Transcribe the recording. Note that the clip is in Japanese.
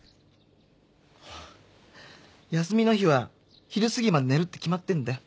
休みの日は昼すぎまで寝るって決まってんだよ。